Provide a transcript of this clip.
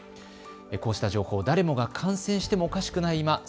こうした情報を誰もが感染してもおかしくない